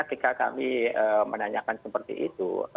ketika kami menanyakan seperti itu